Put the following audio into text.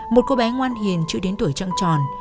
một cô bé ngoan hiền chưa đến tuổi trăng tròn